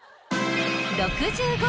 ［６５